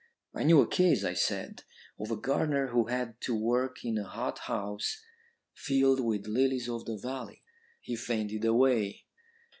"'I knew a case,' I said, 'of a gardener who had to work in a hothouse filled with lilies of the valley. He fainted away.'